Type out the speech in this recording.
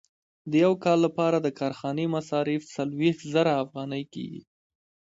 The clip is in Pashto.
د یو کال لپاره د کارخانې مصارف څلوېښت زره افغانۍ کېږي